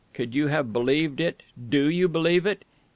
Could you have believed it do you believe it?...